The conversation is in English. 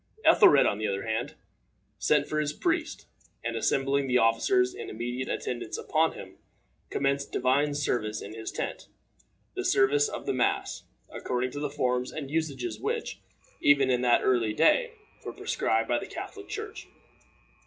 Ethelred, on the other hand, sent for his priest, and, assembling the officers in immediate attendance upon him, commenced divine service in his tent the service of the mass, according to the forms and usages which, even in that early day, were prescribed by the Catholic Church.